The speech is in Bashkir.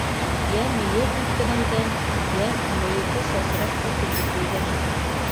Йә мейе һелкенеүҙән, йә мейеһе сәсрәп осоп бөтөүҙән.